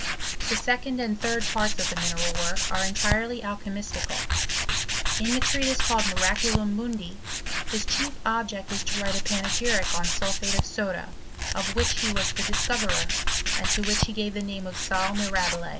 The second and third parts of The Mineral "Work are entirely alchy mistical* In the treatise called " Miraculum Mundi," his chief object is to write a panegyric on sulphate of soda, of which he was the discoverer, and to which he gave the name of sal mirabile.